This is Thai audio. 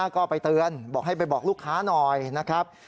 ก็ไปเตือนบอกให้ไปบอกลูกค้าหน่อยนะครับ